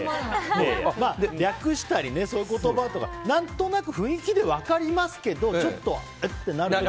略したりそういう言葉とか何となく雰囲気で分かりますけどちょっと、え？ってなる時が。